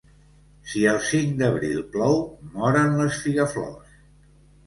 Si el cinc d'abril plou, moren les figaflors.